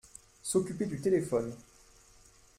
S’occuper du téléphone.